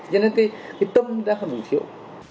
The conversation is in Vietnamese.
cho nên cái tâm đã không được thiếu